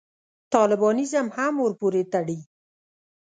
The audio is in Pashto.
طالبانیزم هم ورپورې تړي.